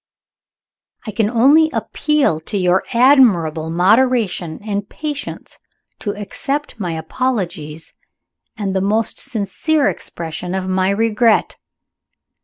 I can only appeal to your admirable moderation and patience to accept my apologies, and the most sincere expression of my regret."